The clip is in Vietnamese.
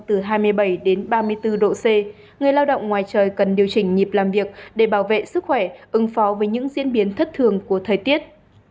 tuy nhiên họ không thể tự nhiên tự nhiên tự nhiên